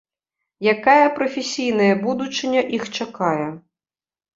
Якая прафесійная будучыня іх чакае?